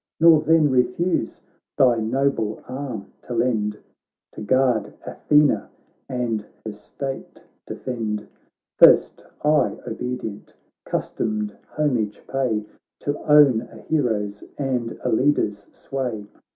Nor then refuse thy noble arm to lend To guard Athena, and her state defend. First I, obedient, 'customed homage pay To own a hero's and a leader's sway.'